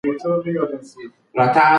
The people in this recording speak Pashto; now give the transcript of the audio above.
پښتو ژبه به زموږ د اخلاص شاهده وي.